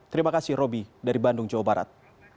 terima kasih roby dari bandung jawa barat